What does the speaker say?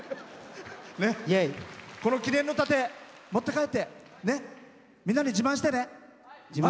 記念の盾持って帰ってみんなに自慢してね。